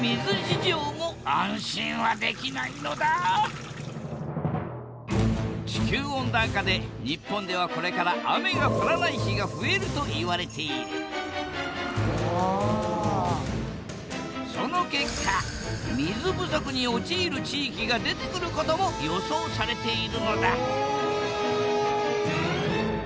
実は地球温暖化で日本ではこれから雨が降らない日が増えるといわれているその結果水不足に陥る地域が出てくることも予想されているのだ！